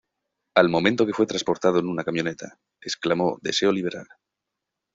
Al momento que fue transportado en una camioneta, exclamó "deseo liberar".